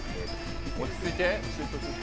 落ち着いて。